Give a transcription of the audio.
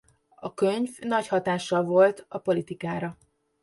A könyv nagy hatással volt a politikára.